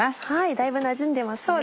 だいぶなじんでますね。